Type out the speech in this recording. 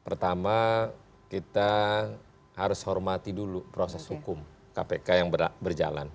pertama kita harus hormati dulu proses hukum kpk yang berjalan